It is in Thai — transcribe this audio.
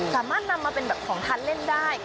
สามารถนำมาเป็นแบบของทานเล่นได้